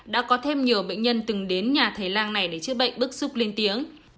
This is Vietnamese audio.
đã có thêm nhiều bệnh nhân từng đến nhà thầy lang này để chữa bệnh bức xúc lên tiếng